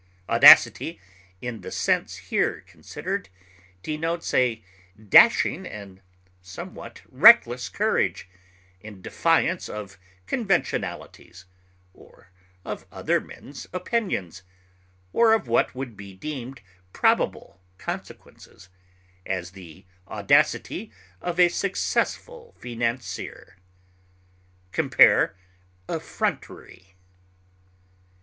Audacity, in the sense here considered, denotes a dashing and somewhat reckless courage, in defiance of conventionalities, or of other men's opinions, or of what would be deemed probable consequences; as, the audacity of a successful financier. Compare EFFRONTERY.